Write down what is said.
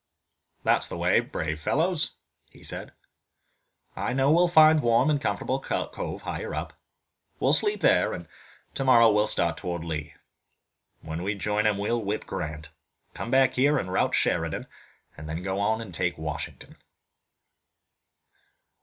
"That's the way, my brave fellows," he said. "I know we'll find a warm and comfortable cove higher up. We'll sleep there, and tomorrow we'll start toward Lee. When we join him we'll whip Grant, come back here and rout Sheridan and then go on and take Washington."